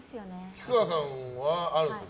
菊川さんはあるんですか？